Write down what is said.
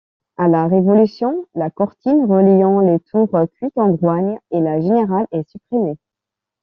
À la Révolution la courtine reliant les tours Quic-en-Groigne et La Générale est supprimée.